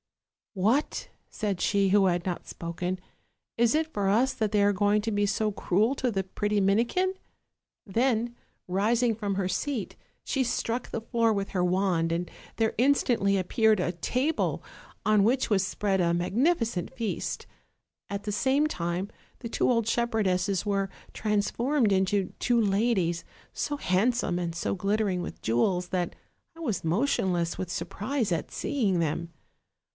" 'What,' said she who had not spoken, 'is it for us that they are going to be so cruel to the pretty Minikin?' Then, rising from her seat, she struck the floor with her wand, and there instantly appeared a table, on which was spread a magnificent feast; at the same time the two old shepherdesses were transformed into two ladies, so hand some and so glittering with jewels that I was motionless with surprise at seeing them.